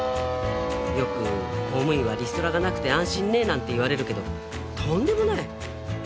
よく「公務員はリストラがなくて安心ね」なんて言われるけどとんでもない！